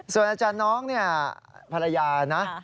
ส่วนอาจารย์น้องเนี่ยภรรยานะ